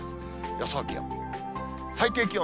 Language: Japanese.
予想気温。